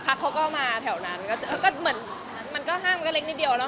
ไม่เหรอเพราะว่าเขาก็เจอเหมือนเขาเจอคนรู้จักเจอแบบอะไรอย่างเงี้ยทุกวัน